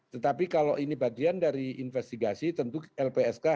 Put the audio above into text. tetapi kalau ini bagian dari investigasi tentu lpsk